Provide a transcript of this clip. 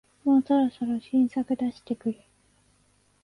もうそろそろ新作出してくれ